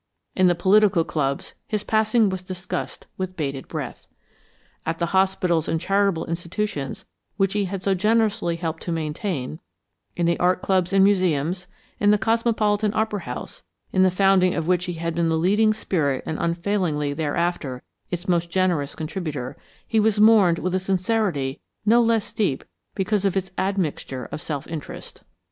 In the political clubs, his passing was discussed with bated breath. At the hospitals and charitable institutions which he had so generously helped to maintain, in the art clubs and museums, in the Cosmopolitan Opera House in the founding of which he had been leading spirit and unfailingly thereafter, its most generous contributor he was mourned with a sincerity no less deep because of its admixture of self interest.